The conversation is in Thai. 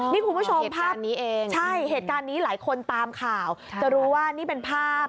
นี่คุณผู้ชมภาพนี้เองใช่เหตุการณ์นี้หลายคนตามข่าวจะรู้ว่านี่เป็นภาพ